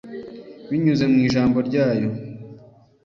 binyuze mu ijambo ryayo.